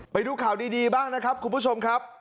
ไปดูข่าวดีบ้างนะครับคุณผู้ชมครับ